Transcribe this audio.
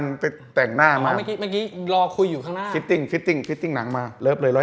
เราก็ราวช้าเจอที่หน้ายาไทย